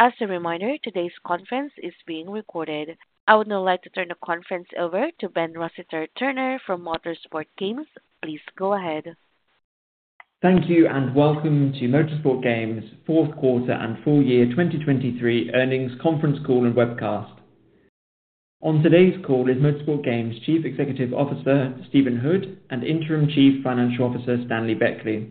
As a reminder, today's conference is being recorded. I would now like to turn the conference over to Ben Rossiter-Turner from Motorsport Games, please go ahead. Thank you and welcome to Motorsport Games' fourth quarter and full year 2023 earnings conference call and webcast. On today's call is Motorsport Games' Chief Executive Officer Stephen Hood and Interim Chief Financial Officer Stanley Beckley.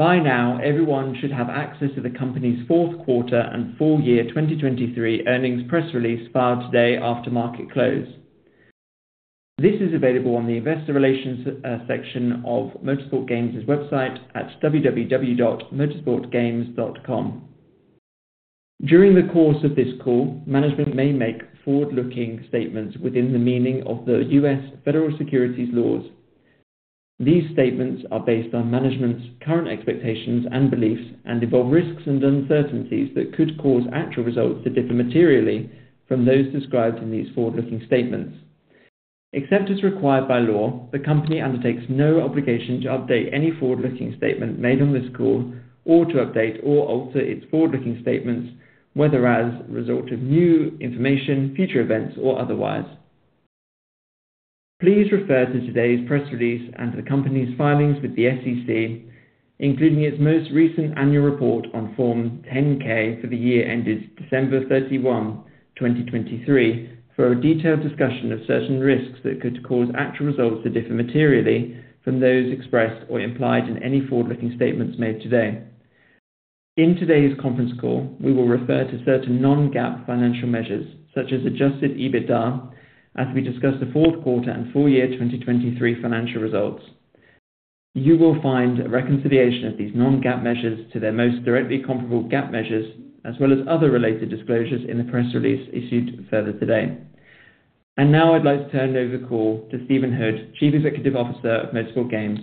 By now, everyone should have access to the company's fourth quarter and full year 2023 earnings press release filed today after market close. This is available on the investor relations section of Motorsport Games' website at www.motorsportgames.com. During the course of this call, management may make forward-looking statements within the meaning of the U.S. Federal Securities laws. These statements are based on management's current expectations and beliefs and involve risks and uncertainties that could cause actual results to differ materially from those described in these forward-looking statements. Except as required by law, the company undertakes no obligation to update any forward-looking statement made on this call or to update or alter its forward-looking statements whether as a result of new information, future events, or otherwise. Please refer to today's press release and to the company's filings with the SEC, including its most recent annual report on Form 10-K for the year ended December 31, 2023, for a detailed discussion of certain risks that could cause actual results to differ materially from those expressed or implied in any forward-looking statements made today. In today's conference call, we will refer to certain non-GAAP financial measures, such as Adjusted EBITDA, as we discuss the fourth quarter and full year 2023 financial results. You will find a reconciliation of these non-GAAP measures to their most directly comparable GAAP measures, as well as other related disclosures in the press release issued further today. Now I'd like to turn over the call to Stephen Hood, Chief Executive Officer of Motorsport Games.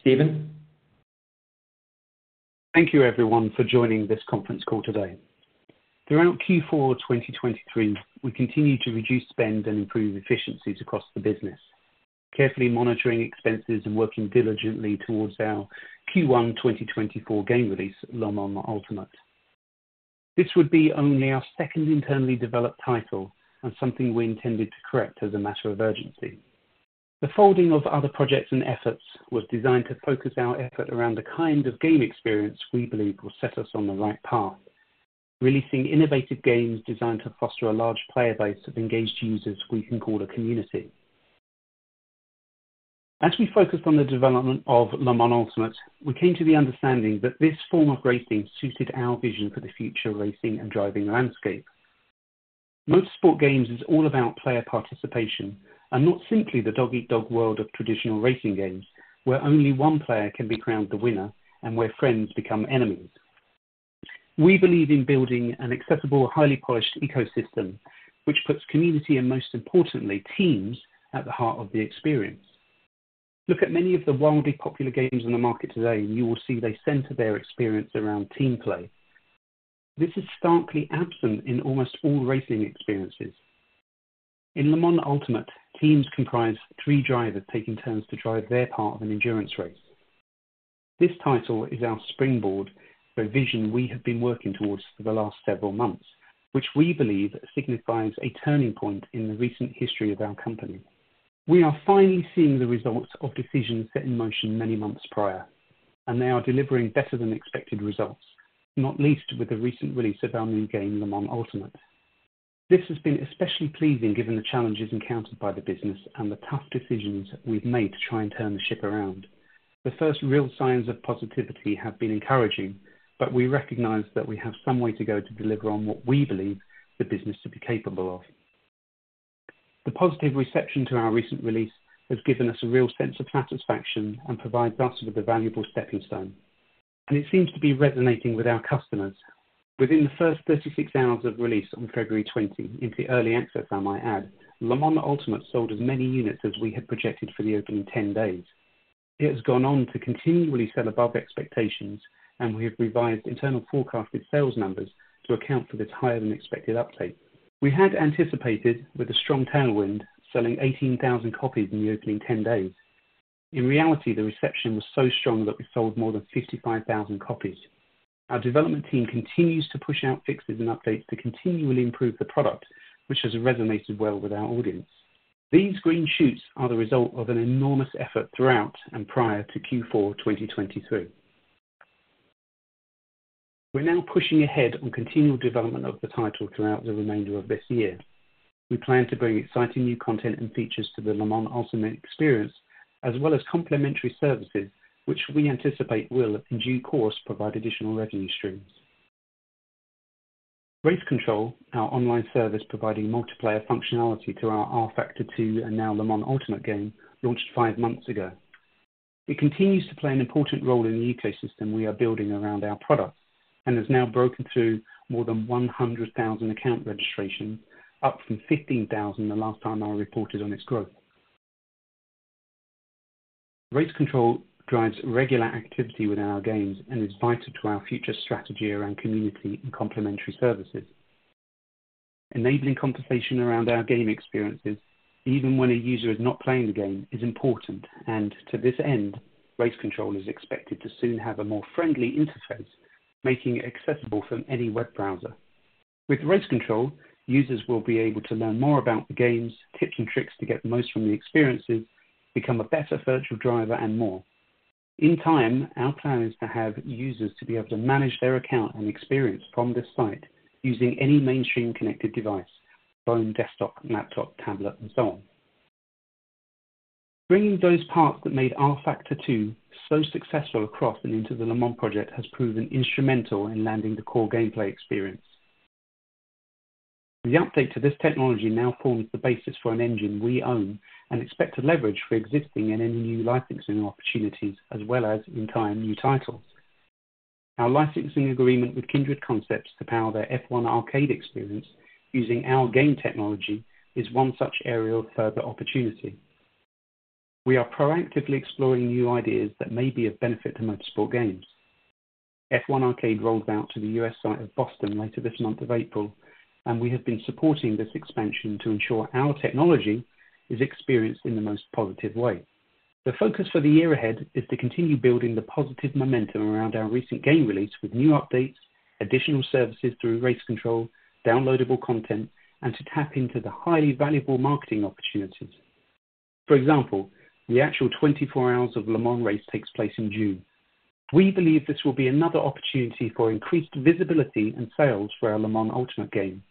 Stephen? Thank you, everyone, for joining this conference call today. Throughout Q4 2023, we continue to reduce spend and improve efficiencies across the business, carefully monitoring expenses and working diligently towards our Q1 2024 game release, Le Mans Ultimate. This would be only our second internally developed title and something we intended to correct as a matter of urgency. The folding of other projects and efforts was designed to focus our effort around the kind of game experience we believe will set us on the right path, releasing innovative games designed to foster a large player base of engaged users we can call a community. As we focused on the development of Le Mans Ultimate, we came to the understanding that this form of racing suited our vision for the future racing and driving landscape. Motorsport Games is all about player participation and not simply the dog-eat-dog world of traditional racing games where only one player can be crowned the winner and where friends become enemies. We believe in building an accessible, highly polished ecosystem, which puts community and, most importantly, teams at the heart of the experience. Look at many of the wildly popular games on the market today, and you will see they center their experience around team play. This is starkly absent in almost all racing experiences. In Le Mans Ultimate, teams comprise three drivers taking turns to drive their part of an endurance race. This title is our springboard for a vision we have been working towards for the last several months, which we believe signifies a turning point in the recent history of our company. We are finally seeing the results of decisions set in motion many months prior, and they are delivering better-than-expected results, not least with the recent release of our new game, Le Mans Ultimate. This has been especially pleasing given the challenges encountered by the business and the tough decisions we've made to try and turn the ship around. The first real signs of positivity have been encouraging, but we recognize that we have some way to go to deliver on what we believe the business to be capable of. The positive reception to our recent release has given us a real sense of satisfaction and provides us with a valuable stepping stone, and it seems to be resonating with our customers. Within the first 36 hours of release on February 20, into early access, I might add, Le Mans Ultimate sold as many units as we had projected for the opening 10 days. It has gone on to continually sell above expectations, and we have revised internal forecasted sales numbers to account for this higher-than-expected uptake. We had anticipated, with a strong tailwind, selling 18,000 copies in the opening 10 days. In reality, the reception was so strong that we sold more than 55,000 copies. Our development team continues to push out fixes and updates to continually improve the product, which has resonated well with our audience. These green shoots are the result of an enormous effort throughout and prior to Q4 2023. We're now pushing ahead on continual development of the title throughout the remainder of this year. We plan to bring exciting new content and features to the Le Mans Ultimate experience, as well as complementary services, which we anticipate will, in due course, provide additional revenue streams. Race Control, our online service providing multiplayer functionality to our rFactor 2 and now Le Mans Ultimate game, launched five months ago. It continues to play an important role in the ecosystem we are building around our product and has now broken through more than 100,000 account registrations, up from 15,000 the last time I reported on its growth. Race Control drives regular activity within our games and is vital to our future strategy around community and complementary services. Enabling conversation around our game experiences, even when a user is not playing the game, is important, and to this end, Race Control is expected to soon have a more friendly interface, making it accessible from any web browser. With Race Control, users will be able to learn more about the games, tips and tricks to get the most from the experiences, become a better virtual driver, and more. In time, our plan is to have users to be able to manage their account and experience from this site using any mainstream connected device: phone, desktop, laptop, tablet, and so on. Bringing those parts that made rFactor 2 so successful across and into the Le Mans project has proven instrumental in landing the core gameplay experience. The update to this technology now forms the basis for an engine we own and expect to leverage for existing and any new licensing opportunities, as well as, in time, new titles. Our licensing agreement with Kindred Concepts to power their F1 Arcade experience using our game technology is one such area of further opportunity. We are proactively exploring new ideas that may be of benefit to Motorsport Games. F1 Arcade rolled out to the U.S. site of Boston later this month of April, and we have been supporting this expansion to ensure our technology is experienced in the most positive way. The focus for the year ahead is to continue building the positive momentum around our recent game release with new updates, additional services through Race Control, downloadable content, and to tap into the highly valuable marketing opportunities. For example, the actual 24 Hours of Le Mans race takes place in June. We believe this will be another opportunity for increased visibility and sales for our Le Mans Ultimate game,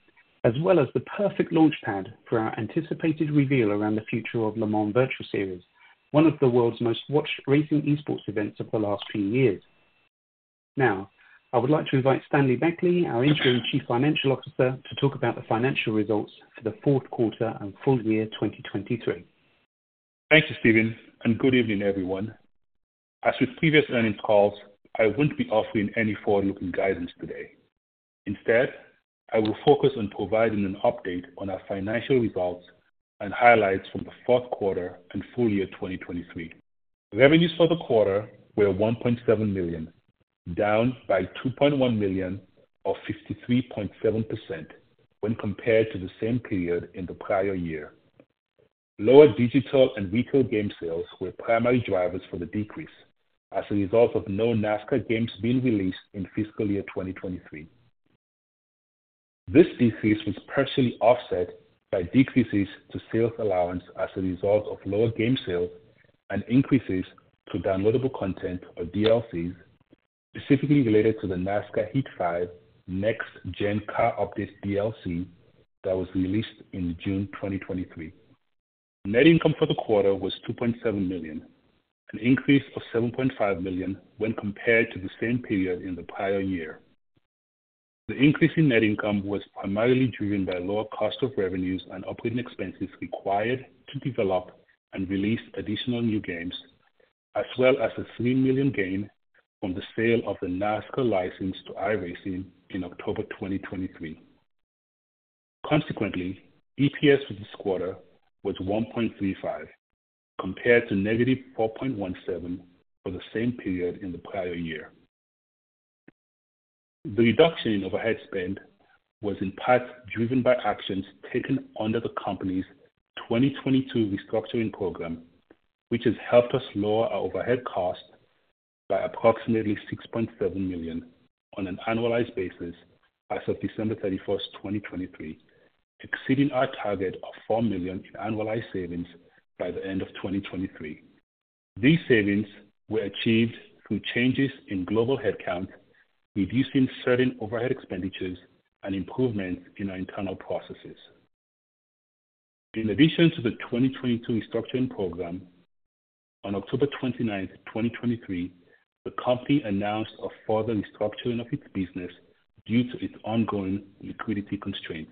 as well as the perfect launchpad for our anticipated reveal around the future of Le Mans Virtual Series, one of the world's most watched racing esports events of the last few years. Now, I would like to invite Stanley Beckley, our Interim Chief Financial Officer, to talk about the financial results for the fourth quarter and full year 2023. Thank you, Stephen, and good evening, everyone. As with previous earnings calls, I won't be offering any forward-looking guidance today. Instead, I will focus on providing an update on our financial results and highlights from the fourth quarter and full year 2023. Revenues for the quarter were $1.7 million, down by $2.1 million or 53.7% when compared to the same period in the prior year. Lower digital and retail game sales were primary drivers for the decrease as a result of no NASCAR games being released in fiscal year 2023. This decrease was partially offset by decreases to sales allowance as a result of lower game sales and increases to downloadable content or DLCs, specifically related to the NASCAR Heat 5 Next-Gen Car Update DLC that was released in June 2023. Net income for the quarter was $2.7 million, an increase of $7.5 million when compared to the same period in the prior year. The increase in net income was primarily driven by lower cost of revenues and operating expenses required to develop and release additional new games, as well as a $3 million gain from the sale of the NASCAR license to iRacing in October 2023. Consequently, EPS for this quarter was 1.35, compared to -4.17 for the same period in the prior year. The reduction in overhead spend was in part driven by actions taken under the company's 2022 restructuring program, which has helped us lower our overhead cost by approximately $6.7 million on an annualized basis as of December 31, 2023, exceeding our target of $4 million in annualized savings by the end of 2023. These savings were achieved through changes in global headcount, reducing certain overhead expenditures, and improvements in our internal processes. In addition to the 2022 restructuring program, on October 29, 2023, the company announced a further restructuring of its business due to its ongoing liquidity constraints.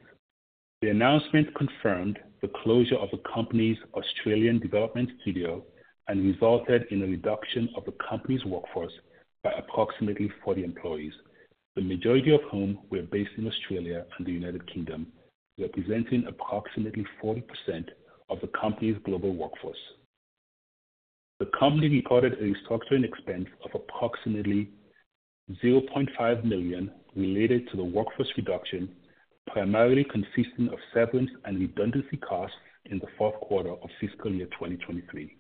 The announcement confirmed the closure of the company's Australian development studio and resulted in a reduction of the company's workforce by approximately 40 employees, the majority of whom were based in Australia and the United Kingdom, representing approximately 40% of the company's global workforce. The company reported a restructuring expense of approximately $0.5 million related to the workforce reduction, primarily consisting of severance and redundancy costs in the fourth quarter of fiscal year 2023.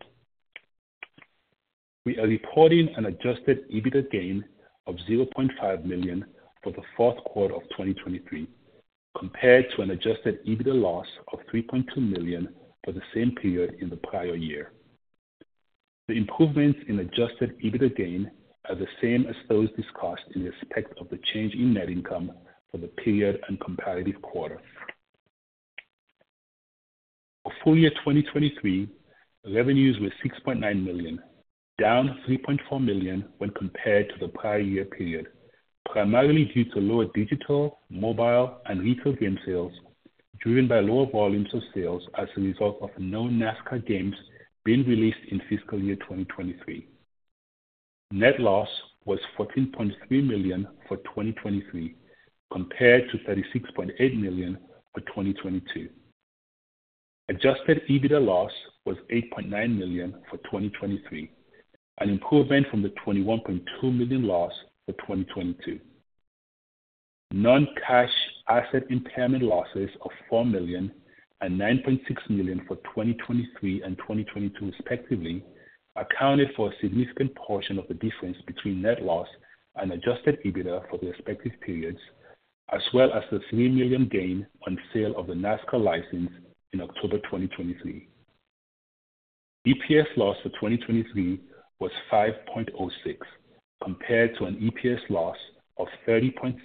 We are reporting an adjusted EBITDA gain of $0.5 million for the fourth quarter of 2023, compared to an adjusted EBITDA loss of $3.2 million for the same period in the prior year. The improvements in adjusted EBITDA gain are the same as those discussed in respect of the change in net income for the period and comparative quarter. For full year 2023, revenues were $6.9 million, down $3.4 million when compared to the prior year period, primarily due to lower digital, mobile, and retail game sales, driven by lower volumes of sales as a result of no NASCAR games being released in fiscal year 2023. Net loss was $14.3 million for 2023, compared to $36.8 million for 2022. Adjusted EBITDA loss was $8.9 million for 2023, an improvement from the $21.2 million loss for 2022. Non-cash asset impairment losses of $4 million and $9.6 million for 2023 and 2022, respectively, accounted for a significant portion of the difference between net loss and Adjusted EBITDA for the respective periods, as well as the $3 million gain on sale of the NASCAR license in October 2023. EPS loss for 2023 was 5.06, compared to an EPS loss of 30.73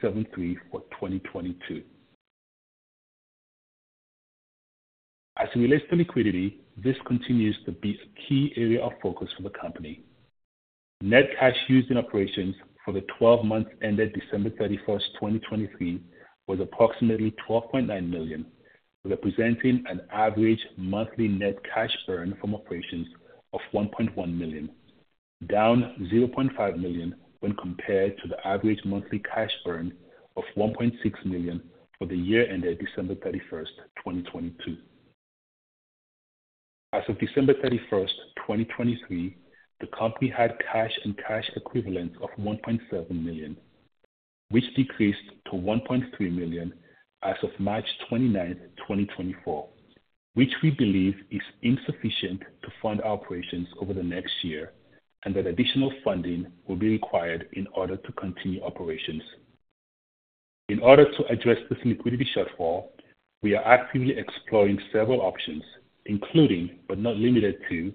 for 2022. As it relates to liquidity, this continues to be a key area of focus for the company. Net cash used in operations for the 12 months ended December 31, 2023, was approximately $12.9 million, representing an average monthly net cash burn from operations of $1.1 million, down $0.5 million when compared to the average monthly cash burn of $1.6 million for the year ended December 31, 2022. As of December 31, 2023, the company had cash and cash equivalents of $1.7 million, which decreased to $1.3 million as of March 29, 2024, which we believe is insufficient to fund operations over the next year and that additional funding will be required in order to continue operations. In order to address this liquidity shortfall, we are actively exploring several options, including but not limited to,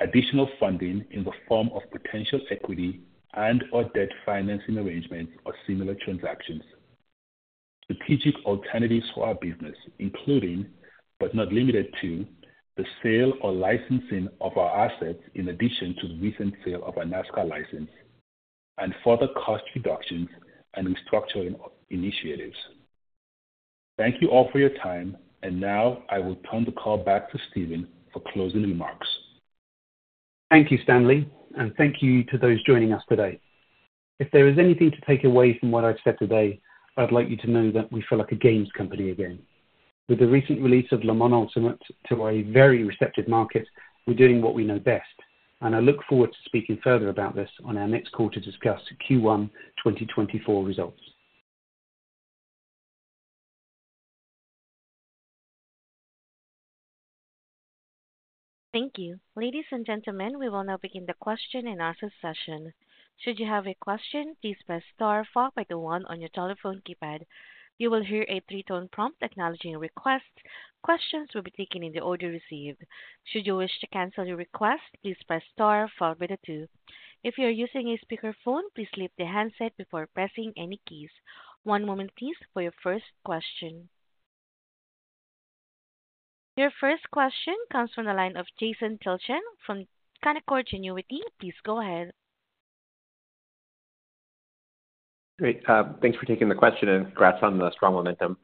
additional funding in the form of potential equity and/or debt financing arrangements or similar transactions, strategic alternatives for our business, including but not limited to, the sale or licensing of our assets in addition to the recent sale of our NASCAR license, and further cost reductions and restructuring initiatives. Thank you all for your time, and now I will turn the call back to Stephen for closing remarks. Thank you, Stanley, and thank you to those joining us today. If there is anything to take away from what I've said today, I'd like you to know that we feel like a games company again. With the recent release of Le Mans Ultimate to a very receptive market, we're doing what we know best, and I look forward to speaking further about this on our next call to discuss Q1 2024 results. Thank you. Ladies and gentlemen, we will now begin the question and answer session. Should you have a question, please press star followed by the one on your telephone keypad. You will hear a three-tone prompt acknowledging a request. Questions will be taken in the order received. Should you wish to cancel your request, please press star followed by the two. If you are using a speakerphone, please leave the handset before pressing any keys. One moment, please, for your first question. Your first question comes from the line of Jason Tilchen from Canaccord Genuity. Please go ahead. Great. Thanks for taking the question, and congrats on the strong momentum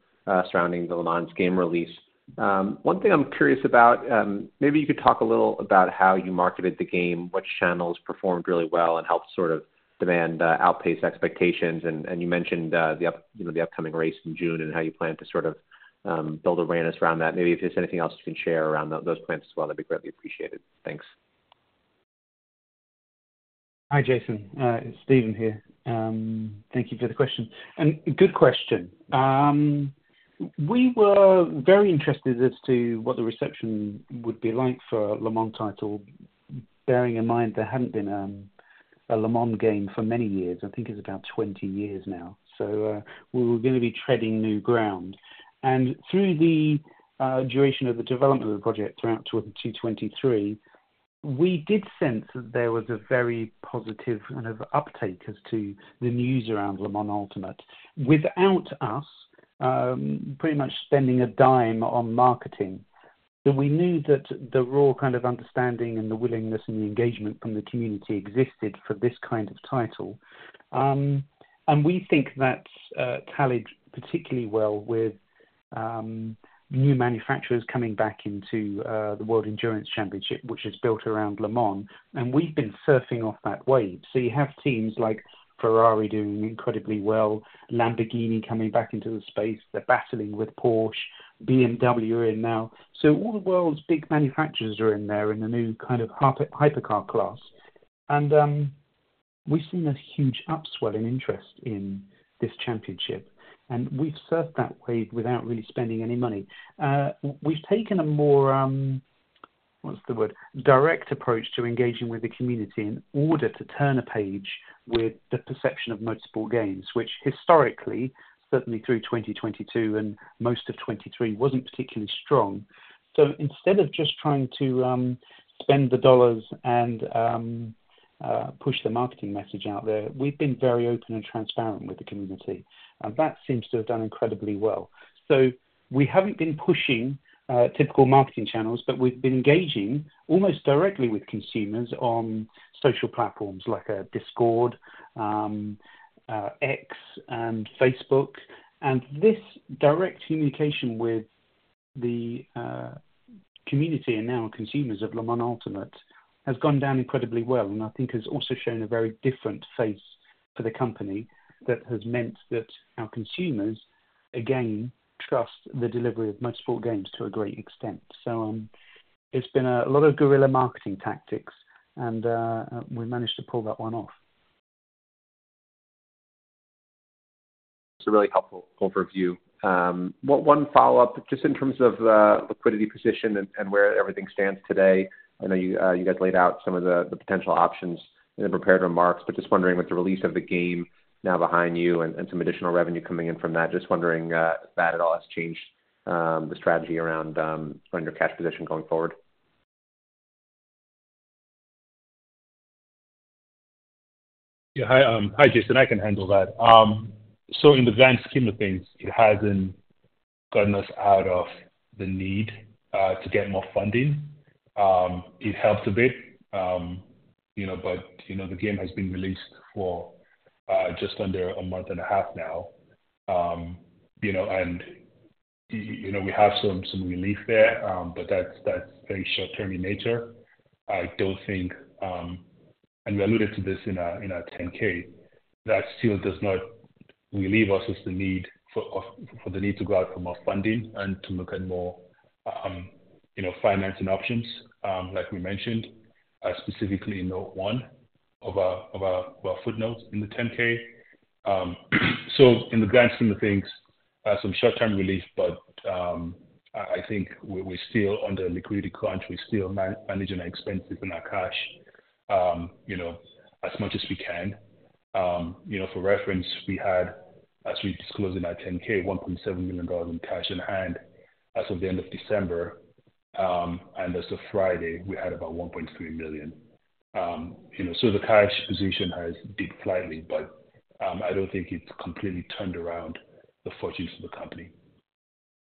surrounding the Le Mans game release. One thing I'm curious about, maybe you could talk a little about how you marketed the game, what channels performed really well and helped sort of demand outpace expectations. You mentioned the upcoming race in June and how you plan to sort of build awareness around that. Maybe if there's anything else you can share around those plans as well, that'd be greatly appreciated. Thanks. Hi, Jason. Stephen here. Thank you for the question. Good question. We were very interested as to what the reception would be like for a Le Mans title, bearing in mind there hadn't been a Le Mans game for many years. I think it's about 20 years now, so we were going to be treading new ground. Through the duration of the development of the project throughout 2023, we did sense that there was a very positive kind of uptake as to the news around Le Mans Ultimate without us pretty much spending a dime on marketing. We knew that the raw kind of understanding and the willingness and the engagement from the community existed for this kind of title. We think that's tallied particularly well with new manufacturers coming back into the World Endurance Championship, which is built around Le Mans. And we've been surfing off that wave. So you have teams like Ferrari doing incredibly well, Lamborghini coming back into the space. They're battling with Porsche. BMW are in now. So all the world's big manufacturers are in there in the new kind of hypercar class. And we've seen a huge upswell in interest in this championship, and we've surfed that wave without really spending any money. We've taken a more - what's the word? - direct approach to engaging with the community in order to turn a page with the perception of Motorsport Games, which historically, certainly through 2022 and most of 2023, wasn't particularly strong. So instead of just trying to spend the dollars and push the marketing message out there, we've been very open and transparent with the community, and that seems to have done incredibly well. So we haven't been pushing typical marketing channels, but we've been engaging almost directly with consumers on social platforms like Discord, X, and Facebook. And this direct communication with the community and now consumers of Le Mans Ultimate has gone down incredibly well and I think has also shown a very different face for the company that has meant that our consumers, again, trust the delivery of Motorsport Games to a great extent. So it's been a lot of guerrilla marketing tactics, and we've managed to pull that one off. That's a really helpful overview. One follow-up, just in terms of liquidity position and where everything stands today. I know you guys laid out some of the potential options in the prepared remarks, but just wondering with the release of the game now behind you and some additional revenue coming in from that, just wondering if that at all has changed the strategy around your cash position going forward? Yeah. Hi, Jason. I can handle that. So in the grand scheme of things, it hasn't gotten us out of the need to get more funding. It helped a bit, but the game has been released for just under a month and a half now, and we have some relief there, but that's very short-term in nature. I don't think, and we alluded to this in our 10K, that still does not relieve us of the need to go out for more funding and to look at more financing options, like we mentioned, specifically in note one of our footnotes in the 10K. So in the grand scheme of things, some short-term relief, but I think we're still under a liquidity crunch. We're still managing our expenses and our cash as much as we can. For reference, as we disclosed in our 10K, $1.7 million in cash in hand as of the end of December, and as of Friday, we had about $1.3 million. So the cash position has dipped slightly, but I don't think it's completely turned around the fortunes of the company.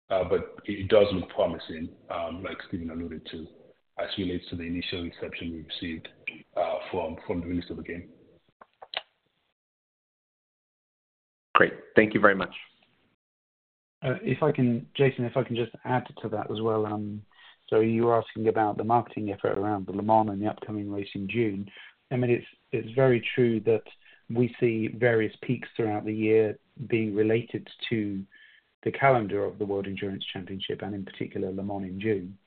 But it does look promising, like Stephen alluded to, as it relates to the initial reception we received from the release of the game. Great. Thank you very much. Jason, if I can just add to that as well. So you were asking about the marketing effort around the Le Mans and the upcoming race in June. I mean, it's very true that we see various peaks throughout the year being related to the calendar of the World Endurance Championship and, in particular, Le Mans in June.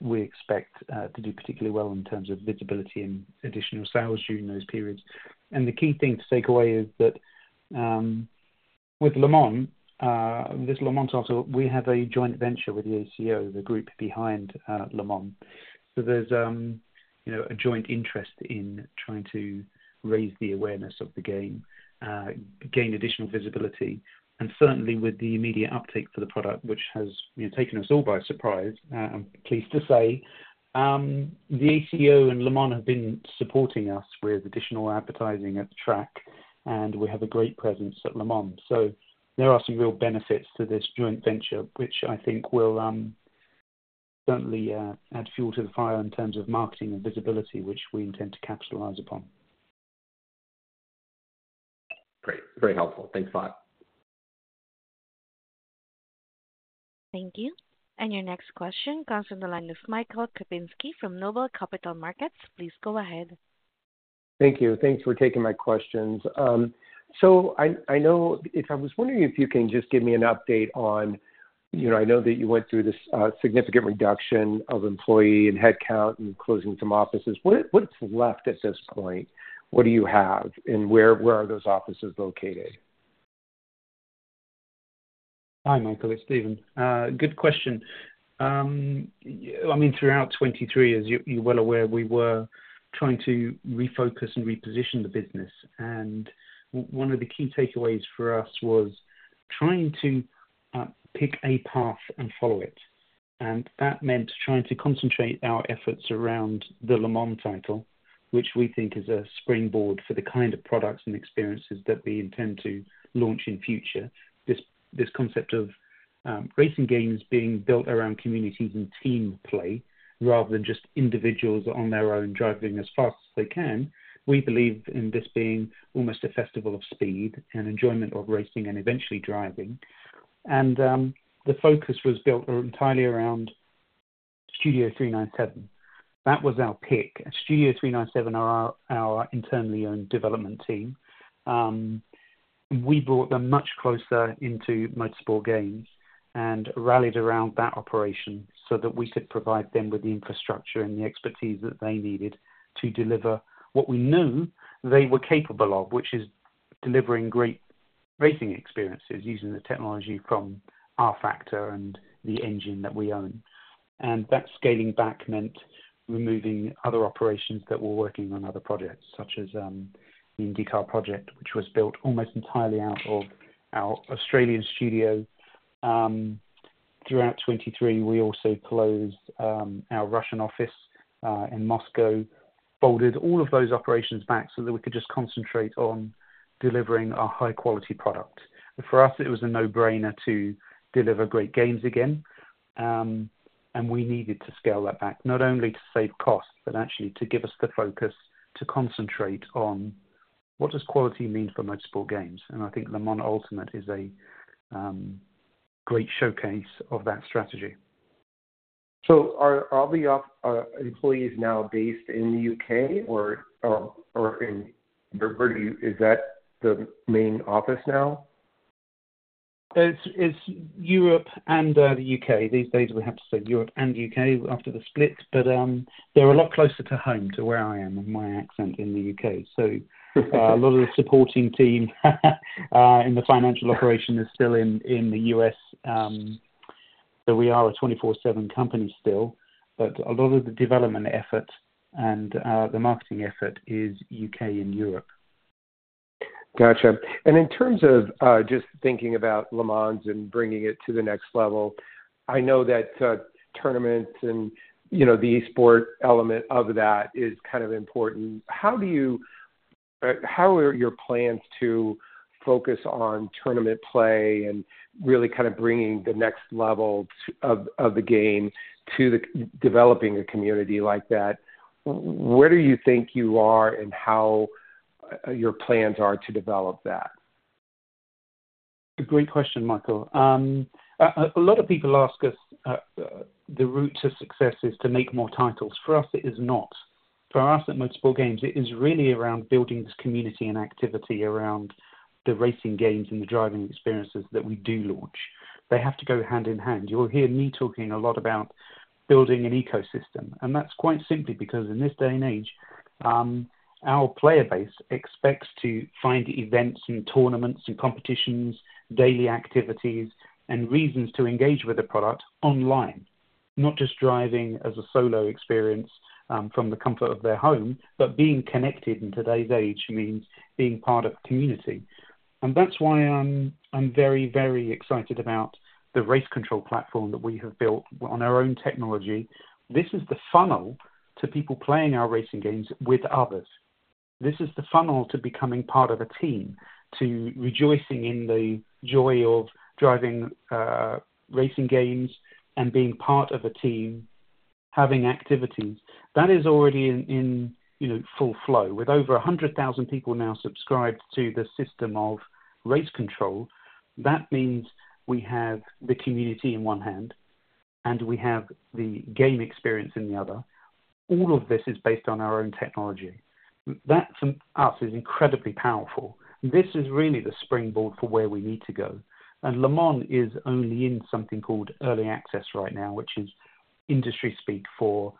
We expect to do particularly well in terms of visibility and additional sales during those periods. The key thing to take away is that with Le Mans, this Le Mans title, we have a joint venture with the ACO, the group behind Le Mans. So there's a joint interest in trying to raise the awareness of the game, gain additional visibility, and certainly with the immediate uptake for the product, which has taken us all by surprise, I'm pleased to say. The ACO and Le Mans have been supporting us with additional advertising at the track, and we have a great presence at Le Mans. So there are some real benefits to this joint venture, which I think will certainly add fuel to the fire in terms of marketing and visibility, which we intend to capitalize upon. Great. Very helpful. Thanks a lot. Thank you. Your next question comes from the line of Michael Kaczynski from Noble Capital Markets. Please go ahead. Thank you. Thanks for taking my questions. So I know if I was wondering if you can just give me an update on I know that you went through this significant reduction of employee and headcount and closing some offices. What's left at this point? What do you have, and where are those offices located? Hi, Michael. It's Stephen. Good question. I mean, throughout 2023, as you're well aware, we were trying to refocus and reposition the business. One of the key takeaways for us was trying to pick a path and follow it. That meant trying to concentrate our efforts around the Le Mans title, which we think is a springboard for the kind of products and experiences that we intend to launch in future. This concept of racing games being built around communities and team play rather than just individuals on their own driving as fast as they can. We believe in this being almost a festival of speed and enjoyment of racing and eventually driving. The focus was built entirely around Studio 397. That was our pick. Studio 397 are our internally owned development team. We brought them much closer into Motorsport Games and rallied around that operation so that we could provide them with the infrastructure and the expertise that they needed to deliver what we knew they were capable of, which is delivering great racing experiences using the technology from rFactor and the engine that we own. And that scaling back meant removing other operations that were working on other projects, such as the IndyCar project, which was built almost entirely out of our Australian studio. Throughout 2023, we also closed our Russian office in Moscow, folded all of those operations back so that we could just concentrate on delivering our high-quality product. For us, it was a no-brainer to deliver great games again, and we needed to scale that back, not only to save costs but actually to give us the focus to concentrate on what does quality mean for Motorsport Games. I think Le Mans Ultimate is a great showcase of that strategy. So, are all the employees now based in the U.K., or where do you is that the main office now? It's Europe and the U.K. These days, we have to say Europe and U.K. after the split, but they're a lot closer to home, to where I am and my accent in the U.K. So a lot of the supporting team in the financial operation is still in the U.S. So we are a 24/7 company still, but a lot of the development effort and the marketing effort is U.K. and Europe. Gotcha. In terms of just thinking about Le Mans and bringing it to the next level, I know that tournaments and the esports element of that is kind of important. How are your plans to focus on tournament play and really kind of bringing the next level of the game to developing a community like that? Where do you think you are and how your plans are to develop that? A great question, Michael. A lot of people ask us the route to success is to make more titles. For us, it is not. For us at Motorsport Games, it is really around building this community and activity around the racing games and the driving experiences that we do launch. They have to go hand in hand. You'll hear me talking a lot about building an ecosystem, and that's quite simply because in this day and age, our player base expects to find events and tournaments and competitions, daily activities, and reasons to engage with a product online, not just driving as a solo experience from the comfort of their home, but being connected in today's age means being part of a community. And that's why I'm very, very excited about the race control platform that we have built on our own technology. This is the funnel to people playing our racing games with others. This is the funnel to becoming part of a team, to rejoicing in the joy of driving racing games and being part of a team, having activities. That is already in full flow. With over 100,000 people now subscribed to the system of Race Control, that means we have the community in one hand and we have the game experience in the other. All of this is based on our own technology. That, for us, is incredibly powerful. This is really the springboard for where we need to go. And Le Mans is only in something called Early Access right now, which is industry-speak for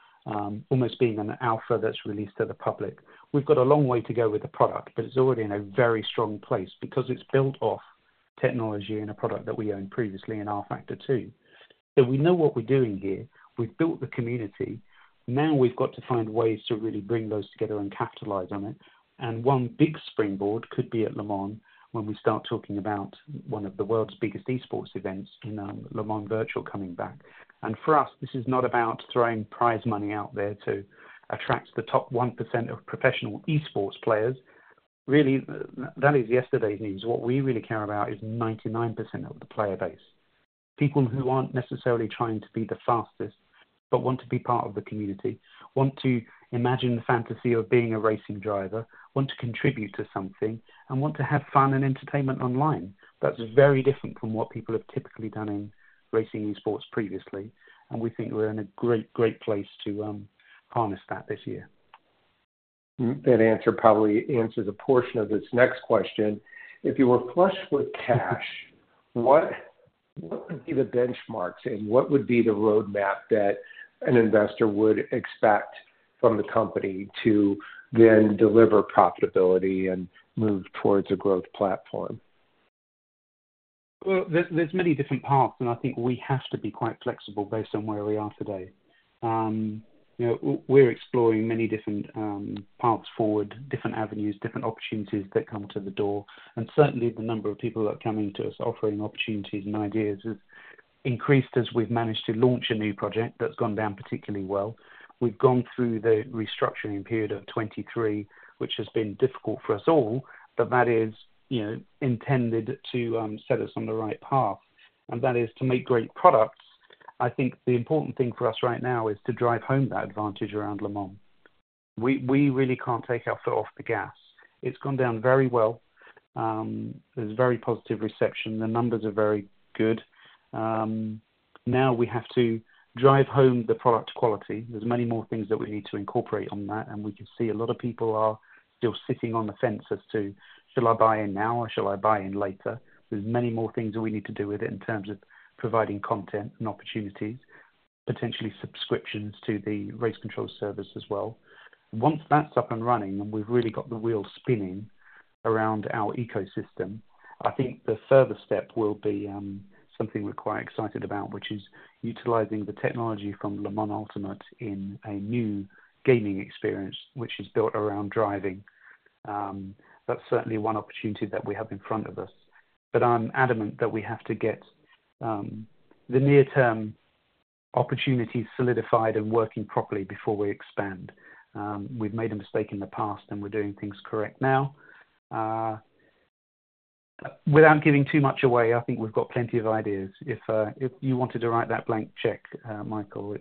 almost being an alpha that's released to the public. We've got a long way to go with the product, but it's already in a very strong place because it's built off technology and a product that we owned previously in rFactor 2. So we know what we're doing here. We've built the community. Now we've got to find ways to really bring those together and capitalize on it. One big springboard could be at Le Mans when we start talking about one of the world's biggest esports events, Le Mans Virtual, coming back. For us, this is not about throwing prize money out there to attract the top 1% of professional esports players. Really, that is yesterday's news. What we really care about is 99% of the player base, people who aren't necessarily trying to be the fastest but want to be part of the community, want to imagine the fantasy of being a racing driver, want to contribute to something, and want to have fun and entertainment online. That's very different from what people have typically done in racing esports previously, and we think we're in a great, great place to harness that this year. That answer probably answers a portion of this next question. If you were flushed with cash, what would be the benchmarks and what would be the roadmap that an investor would expect from the company to then deliver profitability and move towards a growth platform? Well, there's many different paths, and I think we have to be quite flexible based on where we are today. We're exploring many different paths forward, different avenues, different opportunities that come to the door. And certainly, the number of people that are coming to us offering opportunities and ideas has increased as we've managed to launch a new project that's gone down particularly well. We've gone through the restructuring period of 2023, which has been difficult for us all, but that is intended to set us on the right path. And that is to make great products. I think the important thing for us right now is to drive home that advantage around Le Mans. We really can't take our foot off the gas. It's gone down very well. There's very positive reception. The numbers are very good. Now we have to drive home the product quality. There's many more things that we need to incorporate on that, and we can see a lot of people are still sitting on the fence as to, "Shall I buy in now, or shall I buy in later?" There's many more things that we need to do with it in terms of providing content and opportunities, potentially subscriptions to the Race Control service as well. Once that's up and running and we've really got the wheel spinning around our ecosystem, I think the further step will be something we're quite excited about, which is utilizing the technology from Le Mans Ultimate in a new gaming experience, which is built around driving. That's certainly one opportunity that we have in front of us. But I'm adamant that we have to get the near-term opportunities solidified and working properly before we expand. We've made a mistake in the past, and we're doing things correct now. Without giving too much away, I think we've got plenty of ideas. If you wanted to write that blank check, Michael,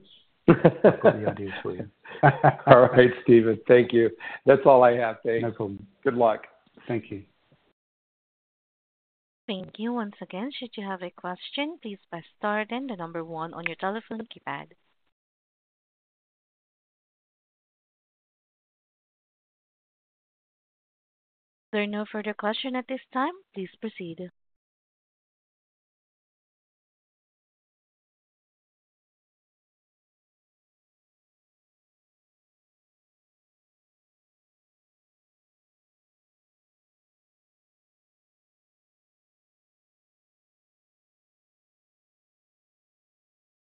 I've got the ideas for you. All right, Stephen. Thank you. That's all I have. Thanks. No problem. Good luck. Thank you. Thank you once again. Should you have a question, please press start and the number one on your telephone keypad. There are no further questions at this time. Please proceed.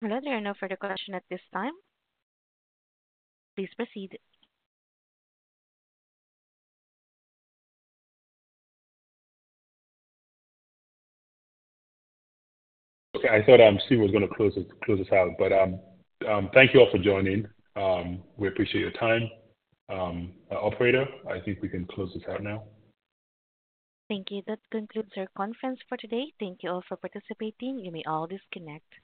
All right. There are no further questions at this time. Please proceed. Okay. I thought Steve was going to close us out, but thank you all for joining. We appreciate your time. Operator, I think we can close us out now. Thank you. That concludes our conference for today. Thank you all for participating. You may all disconnect.